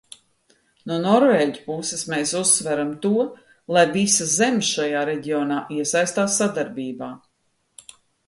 No norvēģu puses mēs uzsveram to, lai visas zemes šajā reģionā iesaistās sadarbībā.